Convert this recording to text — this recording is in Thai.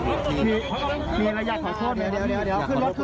ลีนี่เราทำเป็นมาเห็นมั้ย